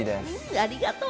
ありがとう。